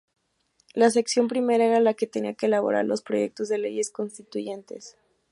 La Sección Primera era la que tenía que elaborar los "Proyectos de Leyes Constituyentes".